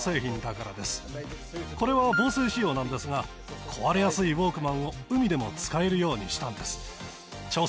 これは防水仕様なんですが壊れやすいウォークマンを海でも使えるようにしたんです。